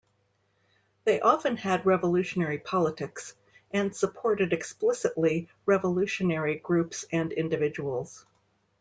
They often had revolutionary politics, and supported explicitly revolutionary groups and individuals.